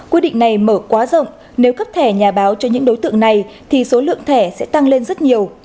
quy định này mở quá rộng nếu cấp thẻ nhà báo cho những đối tượng này thì số lượng thẻ sẽ tăng lên rất nhiều